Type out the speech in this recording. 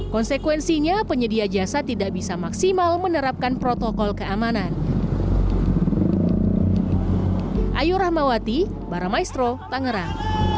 konsekuensinya penyedia jasa tidak bisa maksimal menerapkan protokol keamanan